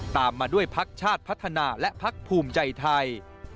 ตามมาด้วยพักชาติพัฒนาและพักภูมิใจไทย